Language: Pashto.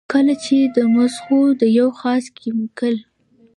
کله چې د مزغو د يو خاص کېميکل